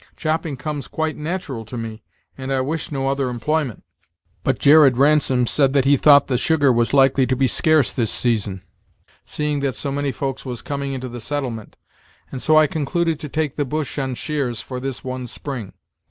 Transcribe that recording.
Chopping comes quite natural to me, and I wish no other employment; but Jared Ransom said that he thought the sugar was likely to be source this season, seeing that so many folks was coming into the settlement, and so I concluded to take the 'bush' on sheares for this one spring.